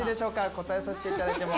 答えさせていただいても。